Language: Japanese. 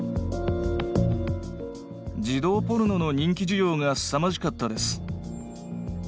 児童ポルノの人気需要がすさまじかったです。